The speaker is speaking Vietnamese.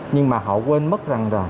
nhưng mà họ quên mất rằng là